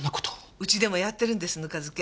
うちでもやってるんですぬか漬け。